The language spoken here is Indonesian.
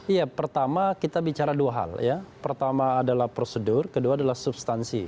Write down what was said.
ya pertama kita bicara dua hal ya pertama adalah prosedur kedua adalah substansi